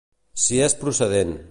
Si és procedent.